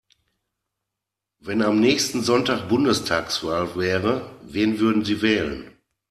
Wenn am nächsten Sonntag Bundestagswahl wäre, wen würden Sie wählen?